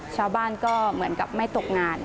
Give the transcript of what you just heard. ชาวบ้านก็เหมือนกับไม่ตกงาน